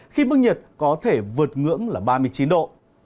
khi mức nhiệt có thể vượt ngưỡng là ba mươi chín độ